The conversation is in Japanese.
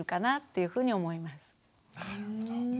なるほど。